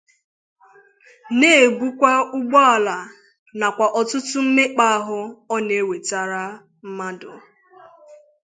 na-ebukwa ụgbọala nakwa ọtụtụ mmekpa ahụ ọ na-ewetara mmadụ.